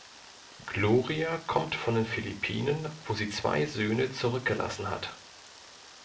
Gloria kommt von den Philippinen, wo sie zwei Söhne zurückgelassen hat.